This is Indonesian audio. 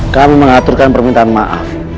kami mengaturkan permintaan maaf